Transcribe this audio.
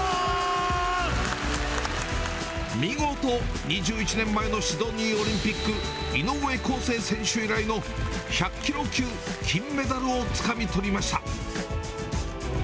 見事、２１年前のシドニーオリンピック、井上康生選手以来の１００キロ級金メダルをつかみ取りました。